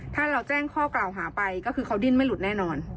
ถ้าเราแจ้งข้อกล่าวหาไปก็คือเขาดิ้นไม่หลุดแน่นอน